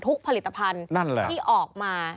ผลิตภัณฑ์ที่ออกมา